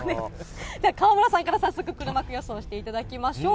河村さんから早速、黒幕予想していただきましょう。